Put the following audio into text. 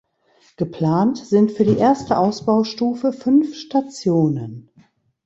Geplant sind für die erste Ausbaustufe fünf Stationen.